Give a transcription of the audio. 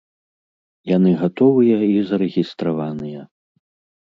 Яны гатовыя і зарэгістраваныя.